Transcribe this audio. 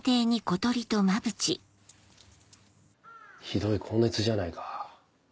ひどい高熱じゃないか。